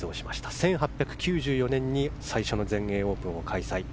１８９４年に最初の全英オープンを開催。